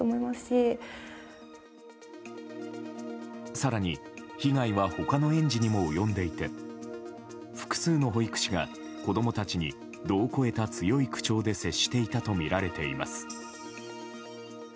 更に被害は他の園児にも及んでいて複数の保育士が、子供たちに度を超えた強い口調で接していたとみられています。